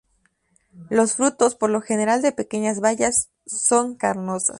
Los frutos, por lo general de pequeñas bayas, son carnosas.